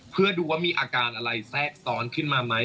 เพื่อดูว่ามีอาการอะไรแทรกซ้อนขึ้นมาไหม